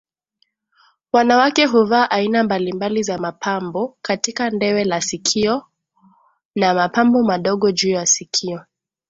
Wanawake huvaa aina mbalimbali za mapambo katika ndewe la sikiona mapambo madogojuu ya sikio